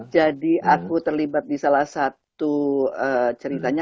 jadi aku terlibat di salah satu ceritanya